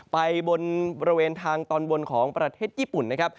ไปบนบริเวณทางตอนบนของประเทศญี่ปุ่นนะครับ